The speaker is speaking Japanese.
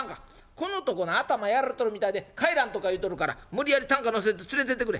この男な頭やられとるみたいで帰らんとか言うとるから無理やり担架乗せて連れてってくれ。